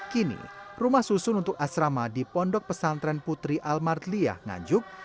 kini rumah susun untuk asrama di pondok pesantren putri almarliyah nganjuk